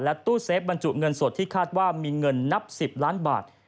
ตู้เซฟบรรจุเงินสดที่คาดว่ามีเงินนับ๑๐ล้านบาท